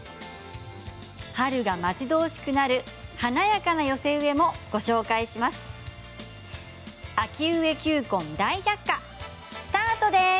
春が待ち遠しくなる華やかな寄せ植えもご紹介します。